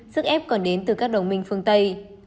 sức ép còn đến từ các đồng minh phương tây